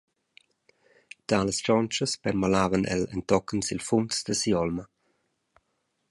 Talas tschontschas permalavan el entochen sil funs da si’olma.